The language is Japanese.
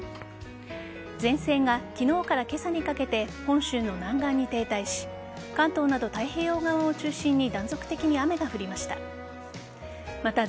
前線が昨日から今朝にかけて本州の南岸に停滞し関東など太平洋側を中心に断続的に雨が降りました。